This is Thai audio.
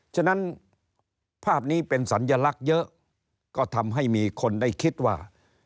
ฉะนั้นภาพนี้เป็นสัญลักษณ์เยอะก็ทำให้มีคนได้คิดว่า